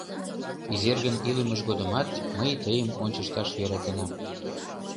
Изергын илымыж годымат мый тыйым ончышташ йӧратенам.